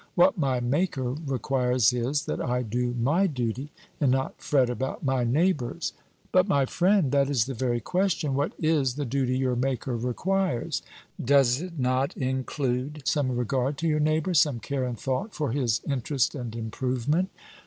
What my Maker requires is, that I do my duty, and not fret about my neighbor's." "But, my friend, that is the very question. What is the duty your Maker requires? Does it not include some regard to your neighbor, some care and thought for his interest and improvement?"